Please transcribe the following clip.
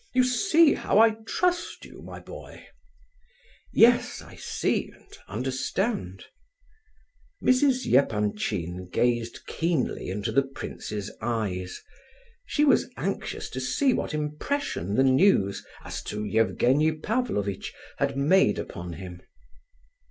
You see how I trust you, my boy." "Yes, I see and understand." Mrs. Epanchin gazed keenly into the prince's eyes. She was anxious to see what impression the news as to Evgenie Pavlovitch had made upon him.